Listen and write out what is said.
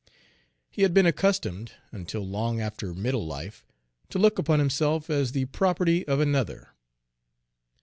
He had been accustomed, until long after middle life, to look upon himself as the property of another.